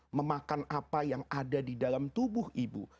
itu bukan apa yang ada di dalam tubuh ibu